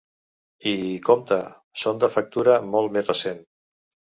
I, compte, són de factura molt més recent.